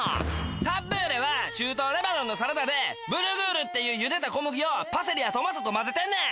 タッブーレは中東レバノンのサラダでブルグールっていうゆでた小麦をパセリやトマトと混ぜてんねん！